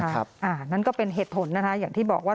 นั่นก็เป็นเหตุผลนะคะอย่างที่บอกว่า